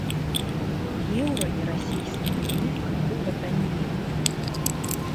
Еўра і расійскі рубель крыху патаннелі.